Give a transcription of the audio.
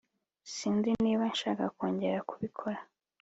sinzi niba nshaka kongera kubikora